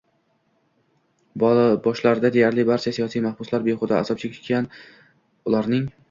boshlarida deyarli barcha siyosiy mahbuslar behuda azob chekishgan - ularning